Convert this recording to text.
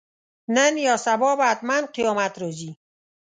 نن یا سبا به حتماً قیامت راځي.